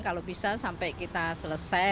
kalau bisa sampai kita selesai